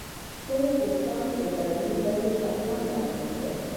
تور پوستان اداري دندو ته کم داخل شول.